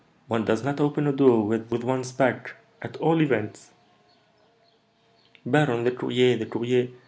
one does not open a door with one's back, at all events!'" "Baron, the courier! the courier!"